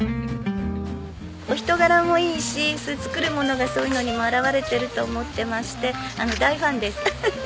お人柄もいいし作るものがそういうのにも表れてると思ってまして大ファンです。